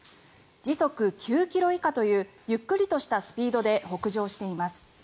時速９ｋｍ以下というゆっくりとしたスピードで北上しています。